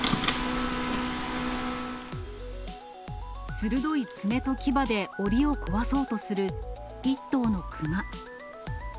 鋭い爪と牙でおりを壊そうとする、１頭のクマ。